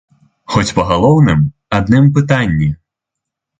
Хоць па галоўным, адным пытанні!